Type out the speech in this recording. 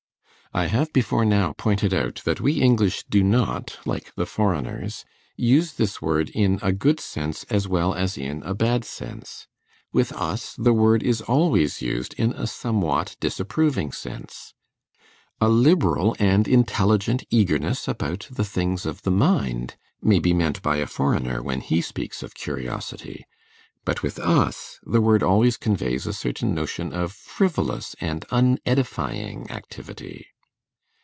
I have before now pointed out that we English do not, like the foreigners, use this word in a good sense as well as in a bad sense. With us the word is always used in a somewhat disapproving sense. A liberal and intelligent eagerness about the things of the mind may be meant by a foreigner when he speaks of curiosity; but with us the word always conveys a certain notion of frivolous and unedifying activity.